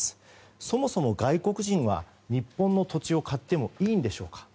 そもそも外国人は、日本の土地を買ってもいいんでしょうか。